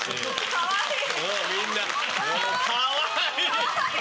かわいい！